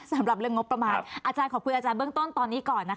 สำหรับเรื่องงบประมาณอาจารย์ขอบคุณอาจารย์เบื้องต้นตอนนี้ก่อนนะคะ